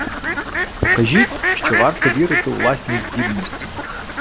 Покажіть, що варто вірити у власні здібності.